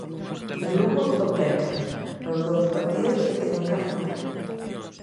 En Lugo só pensan nos dous partidos que teñen que afrontar.